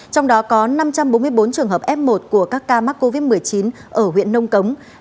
trong đó có năm trăm bốn mươi bốn trường hợp f một của các ca mắc covid một mươi chín ở huyện nông cống